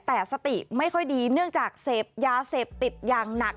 แต่สติไม่ค่อยดีเนื่องจากเสพยาเสพติดอย่างหนัก